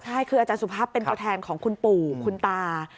ใช่คืออาจารย์สุภาพเป็นตัวแทนของคุณปู่คุณตา